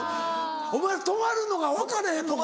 お前止まるのが分かれへんのか。